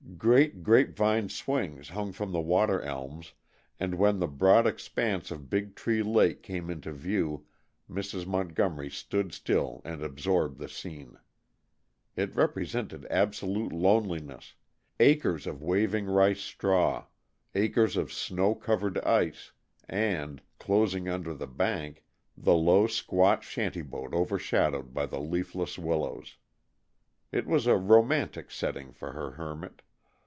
Great grapevine swings hung from the water elms, and when the broad expanse of Big Tree Lake came into view Mrs. Montgomery stood still and absorbed the scene. It represented absolute loneliness acres of waving rice straw, acres of snow covered ice and, close under the bank, the low, squat shanty boat overshadowed by the leafless willows. It was a romantic setting for her hermit.